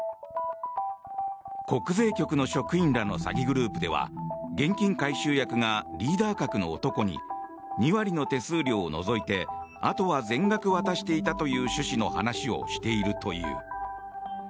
国税局の職員らの詐欺グループでは現金回収役がリーダー格の男に２割の手数料を除いてあとは全額渡していたという趣旨の話をしているという。